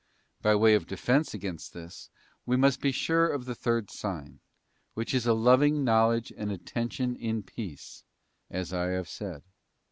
By way of defence against this, we must be sure of the third sign, which is a loving knowledge and attention in peace, as I have said.